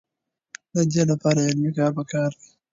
د دې لپاره علمي کار پکار دی.